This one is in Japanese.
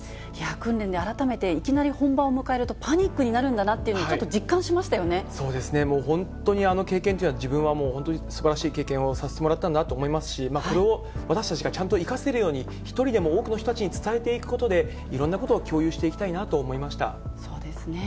訓練で、改めていきなり本番を迎えるとパニックになるんだなというのをちそうですね、本当にあの経験というのは、自分はもうすばらしい経験をさせてもらったんだと思いますし、これを私たちがちゃんと生かせるように、１人でも多くの人たちに伝えていくことでいろんなことを共有してそうですね。